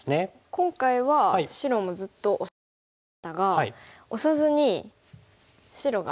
今回は白もずっとオシていきましたがオサずに白が。